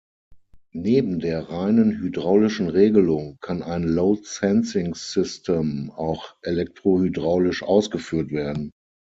Neben der reinen hydraulischen Regelung kann ein Load-Sensing-System auch elektrohydraulisch ausgeführt werden.